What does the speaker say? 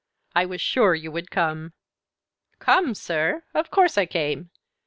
"I was sure you would come." "Come, sir! Of course I came.